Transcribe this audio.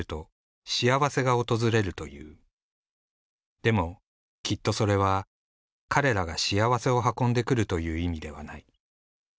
でもきっとそれは彼らが幸せを運んでくるという意味ではない。